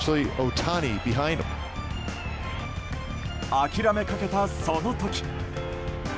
諦めかけた、その時。